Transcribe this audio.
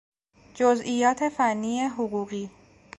جزئیات فنی حقوقی